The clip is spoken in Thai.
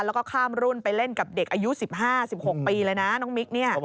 แล้วก็ข้ามรุ่นไปเล่นกับเด็กอายุ๑๕๑๖ปีเลยนะน้องมิ๊กเนี่ย